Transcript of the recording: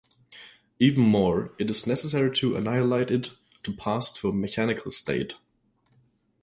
Even more, it is necessary to annihilate it to pass to a mechanical state.